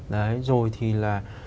đấy rồi thì là